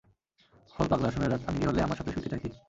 Whole পাগলা, শুনে রাখ, আমি গে হলে, আমার সাথে শুতে চাইতি!